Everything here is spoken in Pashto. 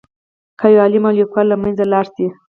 که یو عالم او لیکوال له منځه لاړ شي.